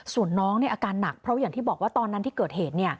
ส่วนน้องอาการหนักเพราะอย่างที่บอกว่าตอนนั้นที่เกิดเหตุ